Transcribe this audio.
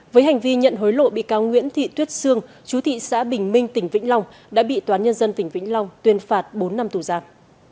với hành vi nhận hối lộ bị cáo nguyễn thị tuyết sương chú thị xã bình minh tỉnh vĩnh long đã bị toán nhân dân tỉnh vĩnh long tuyên phạt bốn năm tù giam